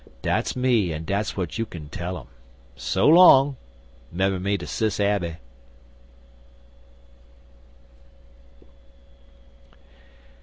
Dat's me, an' dat's what you kin tell um. So long! Member me to Sis Abby."